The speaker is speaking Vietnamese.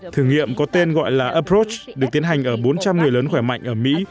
thử nghiệm có tên gọi là ubrod được tiến hành ở bốn trăm linh người lớn khỏe mạnh ở mỹ